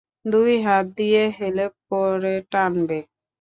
দুই হাত দিয়ে হেলে পড়ে টানবে।